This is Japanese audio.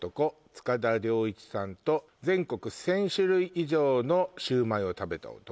塚田亮一さんと「全国１０００種類以上のシュウマイを食べた男」